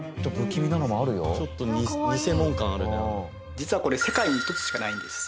実はこれ世界に１つしかないんです！